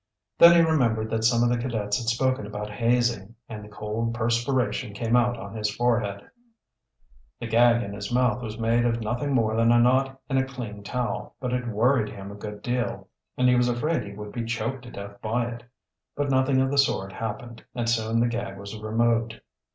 Then he remembered that some of the cadets had spoken about hazing, and the cold perspiration came out on his forehead. The gag in his mouth was made of nothing more than a knot in a clean towel, but it worried him a good deal and he was afraid he would be choked to death by it. But nothing of the sort happened, and soon the gag was removed.